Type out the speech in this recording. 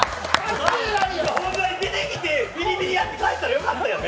出てきてビリビリやって帰ったらよかったやん！